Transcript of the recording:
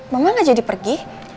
mama gak jadi pergi